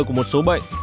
của một số bệnh